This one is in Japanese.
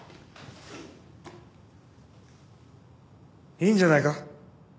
いいんじゃないか。